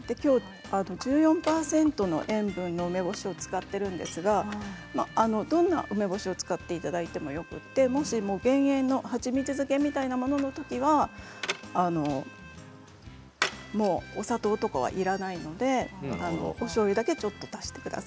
１４％の塩分の梅干しを使っているんですがどんな梅干しを使っていただいてもよくて減塩の蜂蜜漬けのようなもののときにはお砂糖とかはいらないのでおしょうゆだけちょっと足してください。